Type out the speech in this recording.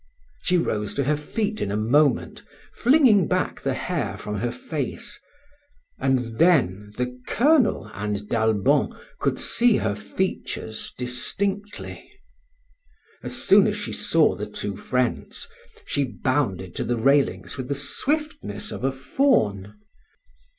She rose to her feet in a moment, flinging back the hair from her face, and then the Colonel and d'Albon could see her features distinctly. As soon as she saw the two friends she bounded to the railings with the swiftness of a fawn.